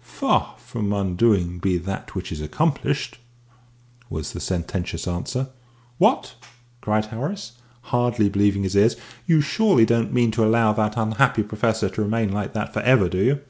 "Far from undoing be that which is accomplished!" was the sententious answer. "What?" cried Horace, hardly believing his ears; "you surely don't mean to allow that unhappy Professor to remain like that for ever, do you?"